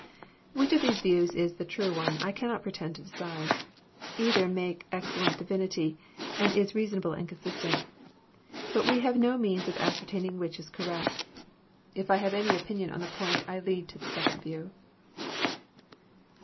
Which of these views is the true one, I cannot pretend to decide. Either makes excellent divinity, and is reasonable and consistent. But we have no means of ascertaining which is correct. If I have any opinion on the point, I lean to the second view.